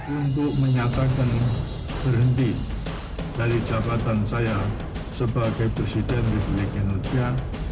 untuk menyatakan berhenti dari jabatan saya sebagai presiden republik indonesia